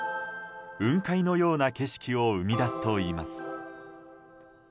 雲海のような景色を生み出すといいます。